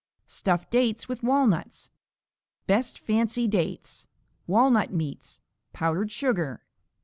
Stuffed Dates with Walnuts Best fancy dates. Walnut meats. Powdered sugar.